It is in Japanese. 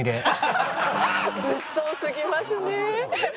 物騒すぎますねえ。